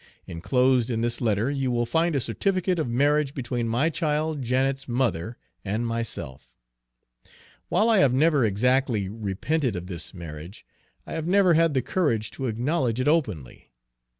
Inclosed in this letter you will find a certificate of marriage between my child Janet's mother and myself. While I have never exactly repented of this marriage, I have never had the courage to acknowledge it openly.